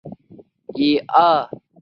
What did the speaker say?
莫尔纳人口变化图示